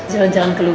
jalan jalan ke luar